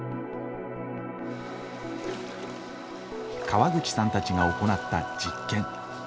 川口さんたちが行った実験。